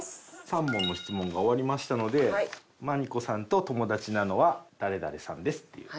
３問の質問が終わりましたので麻美子さんと友達なのは誰々さんですっていう。